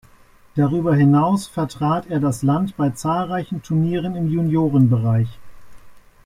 Darüber hinaus vertrat er das Land bei zahlreichen Turnieren im Juniorenbereich.